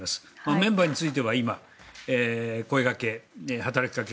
メンバーについては今、声掛け働きかけ